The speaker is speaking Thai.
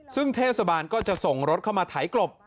ซึ่งเทศบาลก็จะส่งรถเข้ามาไถกลบ